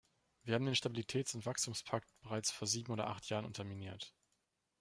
Wir haben den Stabilitäts- und Wachstumspakt bereits vor sieben oder acht Jahren unterminiert.